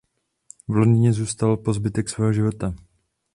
V Londýně zůstal po zbytek svého života.